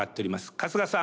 春日さん？